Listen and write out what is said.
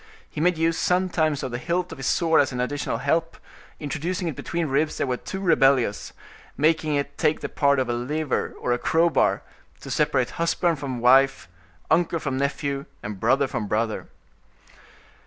He made use sometimes of the hilt of his sword as an additional help: introducing it between ribs that were too rebellious, making it take the part of a lever or crowbar, to separate husband from wife, uncle from nephew, and brother from brother.